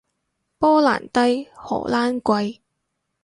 波蘭低，荷蘭貴